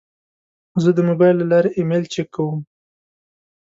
زه د موبایل له لارې ایمیل چک کوم.